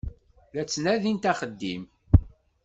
La ttnadint axeddim.